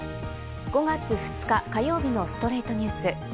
５月２日、火曜日の『ストレイトニュース』。